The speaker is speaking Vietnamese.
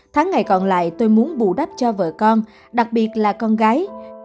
tháng ngày còn lại tôi muốn bù đắp cho vợ con đặc biệt là con gái